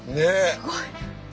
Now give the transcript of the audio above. すごい。